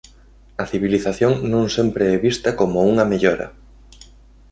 A civilización non sempre é vista como unha mellora.